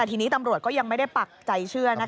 แต่ทีนี้ตำรวจก็ยังไม่ได้ปักใจเชื่อน่ะครับ